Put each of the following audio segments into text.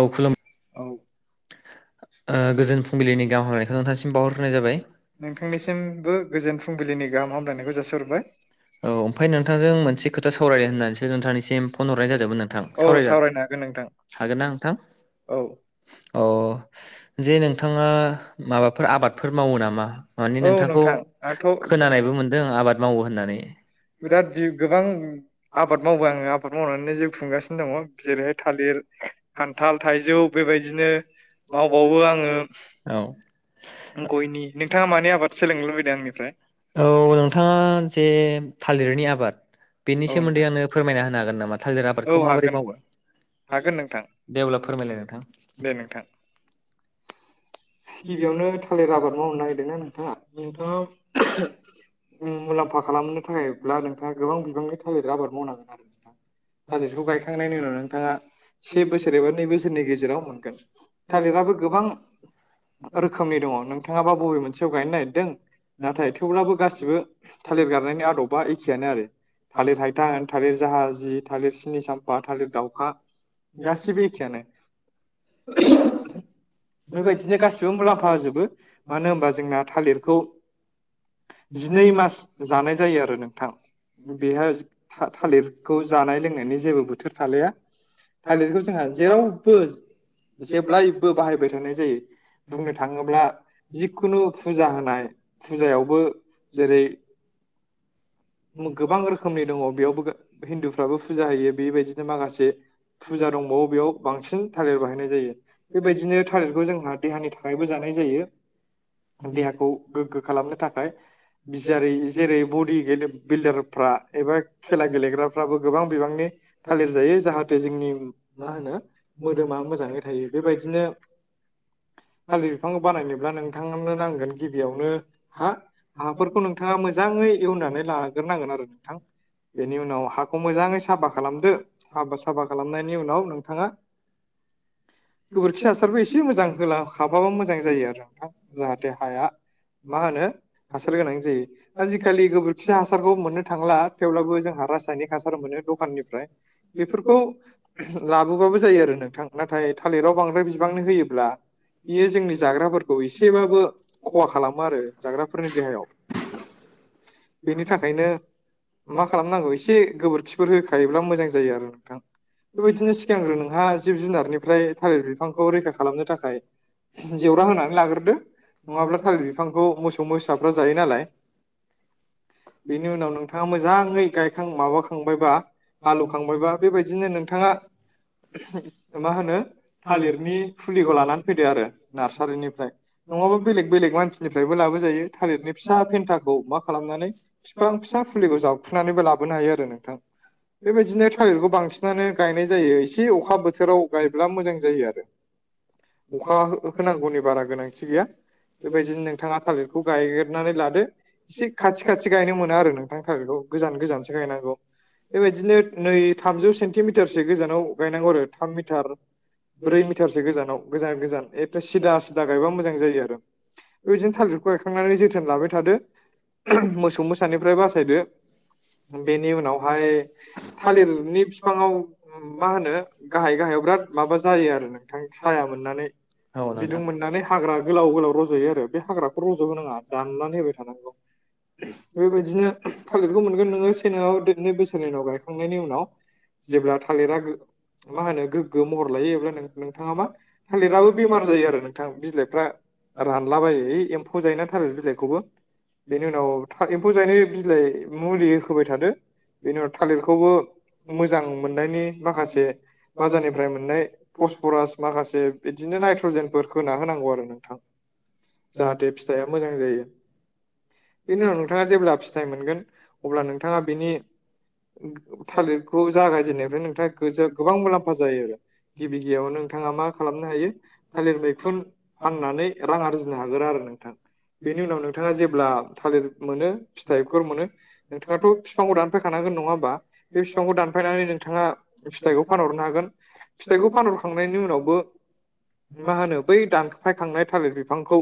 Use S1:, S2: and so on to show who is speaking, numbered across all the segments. S1: औ औ
S2: ओ गोजोन फुंबिलिनि गाहाम हामलनायखौ नोंथांसिम बावहरग्रोनाय जाबाय
S1: नोंथांनिसिमबो गोजोन फुंबिलिनि गाहाम हामब्लायनायखौ जासिहरबाय
S2: औ ओमफाय नोंथांजों मोनसे खोथा सावरायनो होननानैसो नोंथांनिसिम फन हरनाय जादोंमोन नोंथां
S1: औ
S2: सावरायजा
S1: सावरायनो हागोन नोंथां
S2: हागोनना नों
S1: औ
S2: अ जे नोंथाङा माबाफोर आबादफोर मावो नामा माने
S1: औ
S2: नोंथांखौ
S1: नोंथां आंथ'
S2: खोनानायबो मोनदों आबाद मावो होननानै
S1: बिराद गोबां आबाद मावो आङो आबाद मावनानै जिउ खुंगासिनो दङ जेरैहाय थालिर खान्थाल थाइजौ बेबायदिनो मावबावो
S2: [unintelligible]
S1: आङो
S2: औ
S1: गयनि नोंथाङा मानि आबाद सोलोंनो लुबैदों आंनिफ्राय
S2: औ नोंथाङा जे थालिर नि आबाद बेनि
S1: औ
S2: सोमोन्दै
S1: नोंथां
S2: आंनो फोरमायना होनो हागोन नामा थालिर आबादखौ
S1: औ
S2: माबोरै
S1: हागोन
S2: मावो
S1: हागोन नोंथां
S2: दे अब्ला फोरमायलाय नोंथां
S1: दे नोंथां गिबियावनो थालिर आबाद मावनो नागिरदोंना नोंथाङा नोंथाङा [unintelligible] उम मुलाम्फा खालामनो थाखायब्ला नोंथाङा गोबां बिबांनि थालिर आबाद मावनांगोन आरो नोंथां। थालिरखौ गायखांनायनि उनाव नोंथाङा से बोसोर एबा नै बोसोरनि गेजेराव मोनगोन थालिराबो गोबां रोखोमनि दङ नोंथाङाबा बबे मोनसेयाव गायनो नागिरदों नाथाय थेवब्लाबो गासिबो थालिर गायनायनि आदबा एखेयानो आरो। थालिर हायथा होन थालिर जाहाजि थालिर सिनि साम्फा थालिर दाउखा गासिबो एखेयानो।
S2: बेबायदिनो गासै
S1: जों मुलाम्फा होजोबो मानो होनबा जोंना थालिरखौ जिनै मास जानाय जायो आरो नोंथां। बेहा था-थालिरखौ जानाय लोंनायनि जेबो बोथोर थालाया। थालिरखौ जोंहा जेरावबो जेब्लायबो बाहायबाय थानाय जायो। बुंनो थाङोब्ला जिखुनु फुजा होनाय फुजायावबो जेरै
S2: [inaudible]
S1: गोबां रोखोमनि दङ बेयावबो हिन्दुफ्राबो फुजा होयो बेबायदिनो माखासे फुजा दंबावो बेयाव बांसिन थालिर बाहायनाय जायो बेबायदिनो थालिरखौ जोंहा देहानि था खायबो जानाय जायो। देहाखौ गोग्गो खालामनो थाखाय बिजारै जेरै बडि गे बिल्डार फ्रा एबा खेला गेलेग्राफ्राबो गोबां बिबांनि थालिर जायो जाहाथे जोंनि मा होनो मोदोमा मोजाङै थायो। बेबायदिनो
S2: [inaudible]
S1: थालिर बिफां बानायनोब्ला नोंथांनो नांगोन गिबियावनो हा हाफोरखौ नोंथाङा मोजाङै एवनानै लागोर नांगोन आरो नोंथां। बेनि उनाव हाखौ मोजाङै साबा खालामदो हाबा साफा खालामनायनि उनाव नोंथाङा
S2: [inaudible]
S1: गोबोरखि हासारखौ एसे मोजां होला थाफाबा मोजां जायो आरो नोंथां जाहाथे हाया मा होनो हासार गोनां जायो आजिखालि गोबोरखि हासारखौ मोननो थांला‌ थेवब्लाबो जोंहा रासायनिक हासार मोनो दकानिफ्राय बेफोरखौ लाबोबा बाबो जायो आरो नोंथां नाथाय थालिराव बांद्राय बिबांनो होयोब्ला बेयो जोंनि जाग्राफोरखौ एसेबाबो खहा खालामो आरो जाग्राफोरनि देहायाव। बेनि थाखायनो
S2: [inaudible]
S1: मा खामनांगौ एसे गोबोरखिफोर होखायोब्ला मोजां जायो आरो नोंथां। बेबायदिनो सिगांग्रो नोंहा जिब जुनारनिफ्राय थालिर बिफांखौ रैखा खालामनो थाखाय जेवरा होनानै लाग्रोदो। नङाब्ला थालिर बिफांखौ मोसौ मोसाफ्रा जायो नालाय।
S2: [inaudible]
S1: थाङा मोजाङै गायखां माबाखांबायबा हालौखांबायबा बेबायदिनो नोंथाङा मा होनो थालिरनि फुलिखौ लानानै फैदो आरो नार्सारिनिफ्राय। नङाबा बेलेग बेलेग मानसिनिफ्रायबो लाबोजायो थालिरनि फिसा फेनथाखौ मा खालामनानै फिफां फिसा फुलिखौ जावखुनानैबो लाबोनो हायो आरो नोंथां। बेबायदिनो थलिरखौ बांसिनानो गायनाय जायो एसे अखा बोथोराव गायब्ला मोजां जायो आरो।
S2: [inaudible]
S1: अखा हो-होनांगौनि बारा गोनांथि गैया। बेबायदिनो नोंथाङा थालिरखौ गायगेरनानै लादो एसे खाथि खाथि गायनो मोना आरो नों थां थालिरखौ गोजान गोजानसो गायनांगौ। बेबायदिनो नै थामजौ सेन्टिमिटारसो गोजानाव गायनांगौ आरो थाम मिटार ब्रै मिटारसो गोजानाव गोजान गोजान एथ' सिदा सिदा गायबा मोजां जायो आरो। बेबायदिनो थालिरखौ गायखांनानै जोथोन लाबाय थादो मोसौ मोसानिफ्राय बासायदो। बेनि उनावहाय थालिरनि फिफाङाव मा होनो गाहाय गाहाय बेराद माबा जायो आरो नोंथां साया मोननानै
S2: औ
S1: बिदुं
S2: नोंथां
S1: मोननानै हाग्रा गोलाव गोलाव रज'यो आरो बे हाग्राखौ रज'होनाङा दाननानै होबाय थानांगौ बेबायदिनो थालिरखौ मोनगोन नोङो सेनाव देरनै बोसोरनि उनाव गायखांनायनि उनाव जेब्ला थालिरा मा होनो गोग्गो महर लायो अब्ला नोंथाङा मा थालेरआबो बेमार जायो आरो नोंथां बिलाइफ्रा रानलाबायो यै एम्फौ जायोना थालिर बिलाइखौबो बेनि उनाव था एम्फौ जायनाय बिलाइ मुलि होबाय थादो बेनि उनाव थालिरखौबो मोजां मोननायनि माखासे बाजारनिफ्राय मोननाय फसपरास माखासे बिदिनो नाइट्रजेनफोर खोना होनांगौ आरो नोंथां जाहाथे फिथाइया मोजां जायो बेनि उनाव नोंथाङा जेब्ला फि थाइ मोनगोन अब्ला नोंथाङा बिनि थालिरखौ जागायजेननायनिफ्राय नोंथाङा गोजा गोबां मुलाम्फा जायो आरो गिबि गिबियाव
S2: [inaudible]
S1: नोंथाङा मा खालामनो हायो थालिर मैखुन फाननानै रां आरजिनो हागोन आरो नोंथां बेनि उनाव नोंथाङा जेब्ला थालिर मोनो फिथाइफोर मोनो नोंथाङाथ' फिफांखौ दानफायखानांगोन नङा होमबा बे फिफांखौ दानफायनानै नोंथाङा फिथाइखौ फानहरनो हागोन फिथाइखौ फानहरखांनायनि उनावबो मा होनो बै दानफायखांनाय थालिर बिफांखौ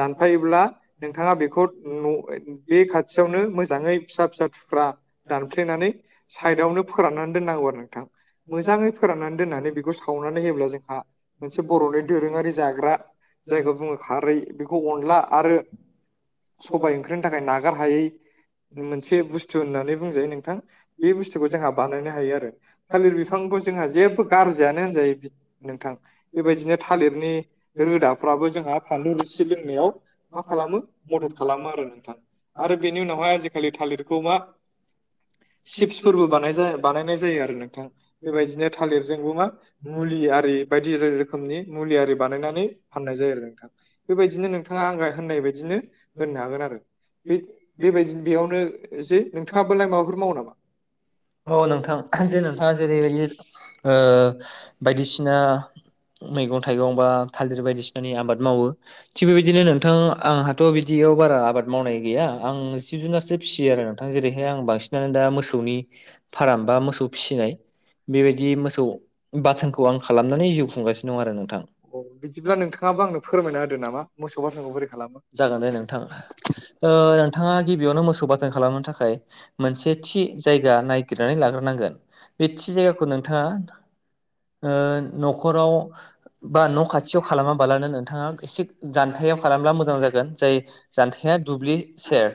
S1: दानफायोब्ला नोंथाङा बेखौ न' बे खाथियावनो मोजाङै फिसा फिसा थुख्रा दानफ्लेनानै साइदावनो फोराननानै दोननांगौ आरो नोंथां मोजाङै फोराननानै दोननानै बेखौ सावना नै होयोब्ला जोंहा मोनसे बर'नि दोरोङारि जाग्रा जायखौ बुङो खारै बेखौ अनला आरो
S2: सबाय
S1: नागारहायै मोनसे बुस्थु होननानै बुंजायो नोंथां बे बुस्थुखौ जोंहा बानायनो हायो आरो थालिर बिफां जोंहा जेबो गारजायानो होनजायो नोंथां बेबायदिनो थालिरनि रोदाफ्राबो जोंहा फानलु रोसि लोंनायाव मा खालामो मदद खालामो आरो नोंथां आरो बेनि उनावहाय आजिखालि थालिरखौ मा सिप्सफोरबो बानायजा बानायनाय जायो आरो नोंथां बेबायदिनो थालिरजोंबो मा मुलि आरि बायदि रोखोमनि मुलि आरि बानायनानै फाननाय जायो आरो नोंथां बेबायदिनो नोंथाङा आं होननाय बायदिनो होननो हागोन आरो बेबायदि बेयावनो जे नोंथाङाबालाय माबाफोर मावो नामा?
S2: औ नोंथां जे नोंथाङा जेरैबायदि ओ बायदिसिना मैगं थाइगं बा थालिर बायदिसिनानि आबाद मावो थिग बेबायदिनो नोंथां आंहाथ' बिदि थ' बारा आबाद मावनाय गैया आं जिब जुनारसो फिसियो आरो नोंथां जेरैहाय आं बांसिनानो दा मोसौनि फाराम बा मोसौ फिसिनाय बेबायदि मोसौ बाथोनखौ आं खालामनानै जिउ खुंगासिनो दं आरो नोंथां
S1: बेखौ आंनो फोरमायना होदो नामा मोसौ बाथोनखौ बोरै खालामो
S2: जागोन दे नोंथां ओ नोंथाङा गिबियावनो मोसौ बाथोन खालामनो थाखाय मोनसे थि जायगा नायगिरनानै लाग्रो बे थि जायगाखौ नोंथाङा ओ नखराव बा न' खाथियाव खालामाबालानो नोंथाङा एसे जान्थाइयाव खालामब्ला मोजां जागोन जाय जान्थाइया दुब्लि सेर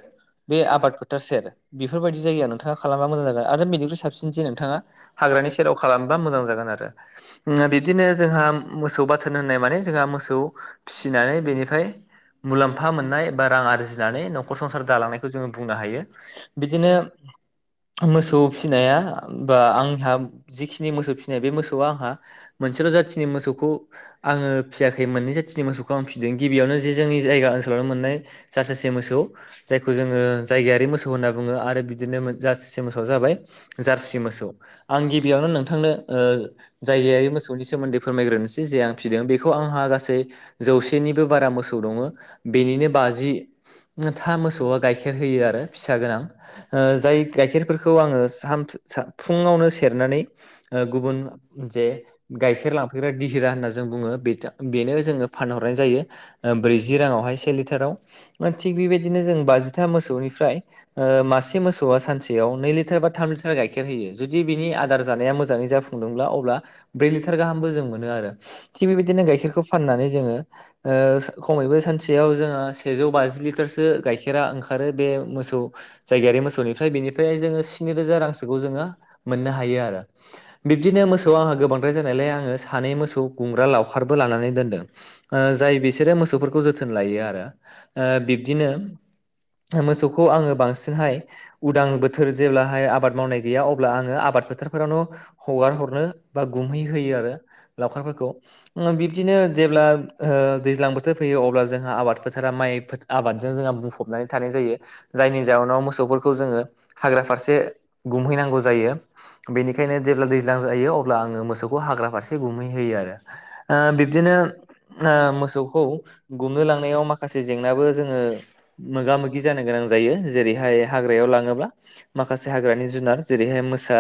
S2: बे आबाद फोथार सेर बेफोरबायदि जायगाया नोंथाङा खालामबा मोजां जागोन आरो बेनिख्रुइ साबसिनसिन जे नोंथाङा हाग्रानि सेराव खालामबा मोजां जागोन आरो ओ बिबदिनो जोंहा मोसौ बाथोन होननाय माने जोंहा मोसौ फिसिनानै बेनिफाय मुलाम्फा मोननाय बा रां आरजिनानै नखर संसार दालांनायखौ जोङो बुंनो हायो बिदिनो [inaudible] मोसौ फिनाया बा आंहा जिखिनि मोसौ फिनाय बे मोसौआ आंहा मोनसेल' जाथिनि मोसौखौ आङो फियाखै मोननै जाथिनि मोसौ खौ आं फिदों गिबियावनो जे जोंनि जायगा ओनसोलावनो मोननाय सा सासे मोसौ जायखौ जोङो जायगायारि मोसौ होनना बुङो आरो बिदिनो जा थिसे मोसौआ जाबाय जारसि मोसौ आं गिबियावनो नोंथांनो ओ जायगायारि मोसौनि सोमोन्दै फोरमायग्रोनोसै जे आं फिदों बेखौ आंहा गासै जौसेनिबो बारा मोसौ दङो बेनिनो बाजि था मोसौआ गाइखेर होयो आरो फिसा गोनां ओ जाय गाइखेर फोरखौ आङो फुङावनो सेरनानै ओ गुबुन जे गाइखेर लांफैग्रा दिहिरा होननानै बुङो बेनो जोङो फानहरनाय जायो ब्रैजि राङावहाय से लिटाराव थिग बेबायदिनो जों बाजिथा मोसौनि फ्राय मासे मोसौआ सानसे याव नै लिटार बा थाम लिटार गाइखेर होयो जुदि बिनि आदार जानाया मोजाङै जाफुंदोंब्ला अब्ला ब्रै लिटार थार गाहामबो जों मोनो आरो थिक बेबायदिनो गाइखेरखौ फाननानै जोङो ओ खमैबो सानसेयाव जोङो सेजौ बाजि लिटारसो गाइखेरा ओंखारो बे मोसौ जायगायारि मोसौनिफ्राय नि बेनिफ्राय स्नि रोजा रांसोखौ जोङो मोननो हायो आरो बिबदिनो मोसौ आ गोबां बांद्राय जानायलाय आङो सानै मोसौ गुमग्रा लावखारबो लानानै दोनदों। ओ जाय बिसोरो मोसौफोरखौ जोथोन लायो आरो बिब्दिनो मोसौखौ आङो बांसिनहाय उदां बोथोर जेब्लाहाय आबाद मावनाय गैया अब्ला आङो आबाद फोथारफोरावनो हगार हरनो बा गुमहैहोयो आरो लावखारफोरखौ बिबदिनो जेब्ला ओ दैज्लां बोथोर फैयो अब्ला जोंहा आबाद फोथारा माइ आबादजों जोंहा बुंफबनानै थानाय जायो। जायनि जाउनाव मोसौफोरखौ जोङो हाग्रा फारसे गुमहैनांगौ जायो। बेनिखायनो जेब्ला दैज्लां जायो अब्ला आङो मोसौखौ हाग्रा फारसे गुमहैहोयो आरो। ओ बिब्दिनो ओ मोसौखौ गुमनो लांनायाव माखासे जेंनाबो जोङो मोगा मोगि जानो गोनां जायो जेरैहाय हाग्रा याव लाङोबा माखासे हाग्रा जुनार जेरैहाय मोसा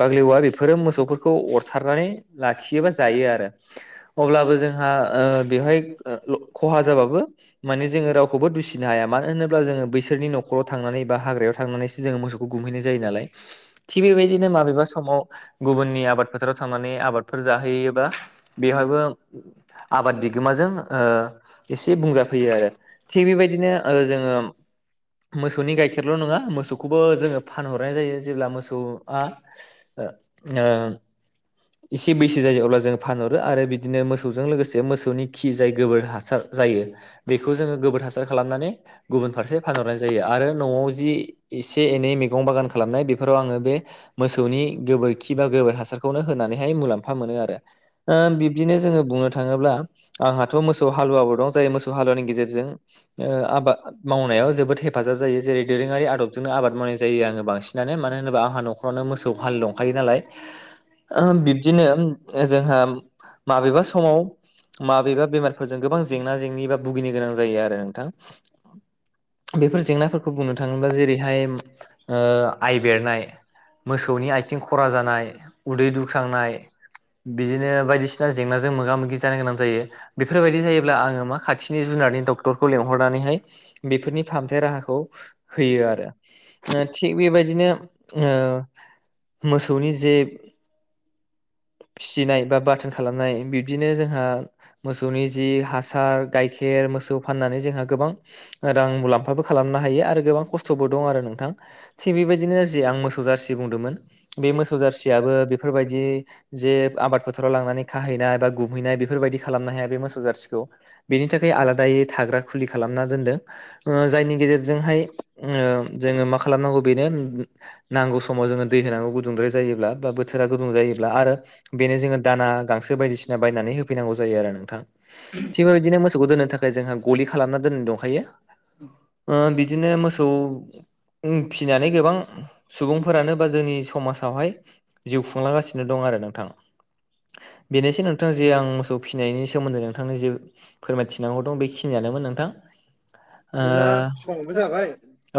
S2: बाग लेवा बेफोर मोसौफोरखौ अर थारनानै लाखियो एबा जायो आरो।‌ अब्लाबो जोंहा ओ बेवहाय खहा जाबाबो माने जोङो रावखौबो दुसिनो हाया मानो होनोब्ला जोङो बैसोरनि न'खराव थांनानै बा हाग्रायाव थांनानैसो जोङो मोसौखौ गुमहैनाय जायो नालाय थिग बेबायदिनो माबेबा समाव गुबुननि आबाद फोथाराव थांनानै आबादफोर जाहैयोबा बेवहायबो आबाद बिगोमाजों ओ एसे बुंजाफैयो आरो थिग बेबायदिनो जोङो मोसौनि गाइखेर मोसौखौबो जोङो फानहरनाय जायो जेब्ला मोसौआ इसे बैसो जायो अब्ला जों फानहरो आरो बिदिनो मोसौ मोसौजों लोगोसे मोसौनि खि जाय गोबोर हासार जायो बेखौ जोङो गोबोर हासार खालामनानै गुबु फारसे फानहरनाय जायो आरो नआव जा एसे एनै मैगं बागान खालामनाय बेफोराव आङो बे मोसौनि गोबोरखि बा गोबोर हासारखौनो होनानैहाय मुलाम्फा मोनो आरो ओ बिबदिनो जोङो बुंनो थाङोब्ला आंहाथ' मोसौ हालुवाबो दं जाय मोसौ हालुवानि गेजेरजों आबाद मावनायाव जोबोद हेफाजाब जायो जेरै दोरोङारि आदबजों आबाद मावनाय जायो आङो बांसिनानो मानो होनोबा आंहा न'खरावनो मोसौ हाल दंखायो नालाय ओ बिबदिनो जोंहा माबेबा समाव माबेबा बेमारफोरजों गोबां जेंना जेंनि बा भुगिनो गोनां जायो आरो नोंथां। बेफोर जेंनाफोरखौ बुंनो थाङोब्ला जेरैहाय आइ बेरनाय मोसौनि आथिं खरा जानाय उदै दुख्रांनाय बिदिनो बायदिसिना जेंना ज जों मोगा मोगि जानो गोनां जायो बेफोरबायदि जायोब्ला आङो मा खाथिनि जुनारनि डक्टरखौ लेंहरनानैहाय बेफोरनि फाहामथाय राहाखौ होयो आरो थिग बेबायदिनो मोसौनि जे फिसिनाय बा बाथोन खालामनाय बिब्दिनो जोंहा मोसौनि जि हासार गाइखेर मोसौ फाननानै जोंहा गोबां रां मुलाम्फाबो खालामनो हायो आरो गोबां खस्थबो दं आरो नोंथां थिग बेबायदिनो जे आं मोसौ जारसि बुंदोंमोन बे मोसौ जारसियाबबो बेफोरबायदि जे आबाद फोथाराव लांनानै खाहैना बा गुमहैनाय बेफोरबायदि खालामनो हाया बे मोसौ जारसिखौ बेनि थाखाय आलादायै थाग्रा खुलि खालामना दोनदों। ओ जायनि गेजेरजोंहाय ओम जोङो मा खालामनांगौ बेनो नांगौ सम माव जोङो दै होनांगौ गुदुंद्राय जायोब्ला बा बोथोरा गुदुं जायोब्ला आरो बेनो जोङो दाना गांसो बायदि सि ना बायनानै होफैनांगौ जायो आरो नोंथां। थिग बेबायदिनो मोसौखौ दोननो थाखाय जोंहा गलि खालामना दोनना दंखायो। ओ बिदिनो मोसौ उम फिनानै गोबां सुबुंफोरानो बा जोंनि समाजावहाय जिउ खुंलांगासिनो दं आरो नोंथा थां बेनोसै नों थां जि आं मोसौ फिनायनि सोमोन्दै नोंथांनो जे फोरमायथिनांगौ दं बेखिनियानोमोन नोंथां।
S1: बिदिब्ला समाबो जाबाय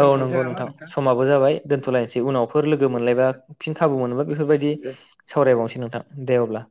S2: ओ औ नंगौ
S1: नामा
S2: नोंथां। समाबो जाबाय दोन्थ'लायनोसै उनाव फोर लोगो मोनलायबा फिन खाबु मोनोबा बेफोरबायदि
S1: दे
S2: सावरायबावनोसै नोंथां। दे अब्ला।